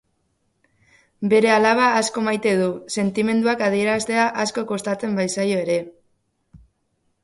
Bere alaba asko maite du, sentimenduak adieraztea asko kostatzen bazaio ere.